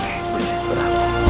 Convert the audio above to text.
tidak ada apa apa